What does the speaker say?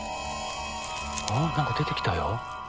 何か出てきたよ。